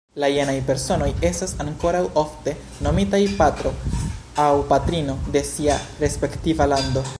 La jenaj personoj estas ankoraŭ ofte nomitaj "Patro" aŭ "Patrino" de sia respektiva lando.